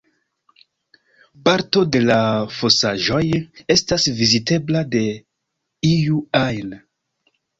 Parto de la fosaĵoj estas vizitebla de iu ajn.